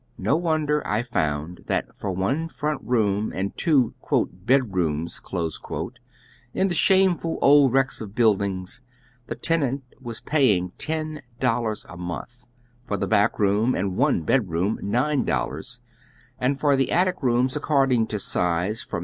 No wonder ; I found that for one front room and two " bedrooms " in the shameful old wrecks of buildings the tenant was paying $10 a month, for the back room and one bedroom $9, and for the attic rooms, according to size, from $3.